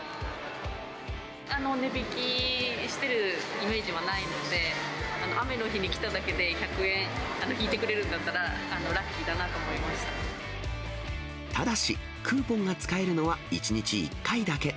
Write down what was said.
値引きしてるイメージはないので、雨の日に来ただけで、１００円引いてくれるんだったら、ただし、クーポンが使えるのは１日１回だけ。